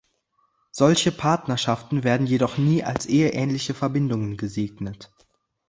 Solche Partnerschaften werden jedoch nie als eheähnliche Verbindungen gesegnet.